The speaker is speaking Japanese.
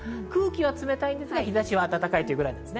空気は冷たいですが、日差しは暖かい。